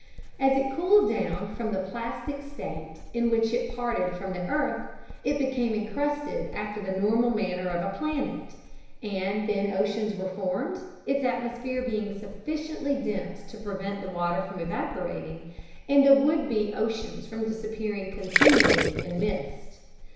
As it cooled down from the plastic state in which it parted from the earth, it became incrusted after the normal manner of a planet, and then oceans were formed, its atmosphere being sufficiently dense to prevent the water from evaporating and the would be oceans from disappearing continually in mist.